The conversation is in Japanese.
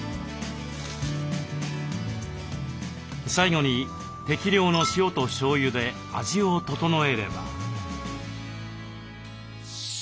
最後に適量の塩としょうゆで味を調えれば。